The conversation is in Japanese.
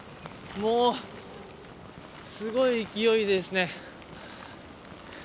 もう、すごい勢いですね。